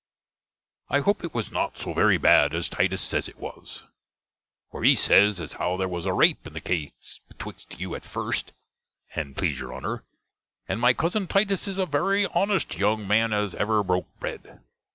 I hope it was not so verry bad as Titus says it was; for he ses as how there was a rape in the case betwixt you at furste, and plese your Honner; and my cuzzen Titus is a very honist younge man as ever brocke bred.